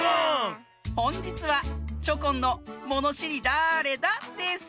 ほんじつはチョコンの「ものしりだれだ？」です。